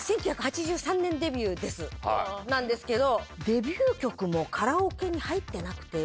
なんですけど。